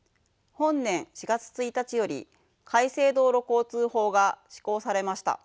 本年４月１日より改正道路交通法が施行されました。